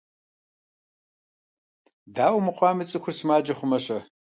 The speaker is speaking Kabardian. Дауэ мыхъуами цӀыхур сымаджэ хъумэ-щэ?